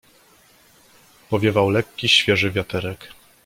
"Powiewał lekki, świeży wiaterek."